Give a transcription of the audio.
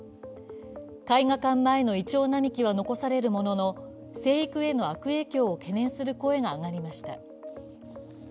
絵画館前のいちょう並木は残されるものの生育への悪影響を懸念する声が上がりました。